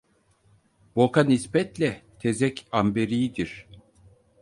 Boka nispetle tezek amberidir.